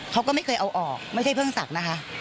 เขาก็ไม่เคยเอาออกไม่ใช่เพิ่งศักดิ์นะคะ